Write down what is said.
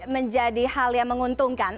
menjadi hal yang menguntungkan